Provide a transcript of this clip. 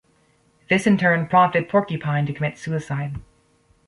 This in turn prompted Porcupine to commit suicide.